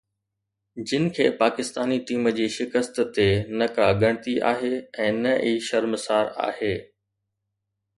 جن کي پاڪستاني ٽيم جي شڪست تي نه ڪا ڳڻتي آهي ۽ نه ئي شرمسار آهي